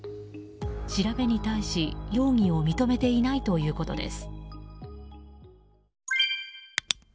調べに対し、容疑を認めていないということです。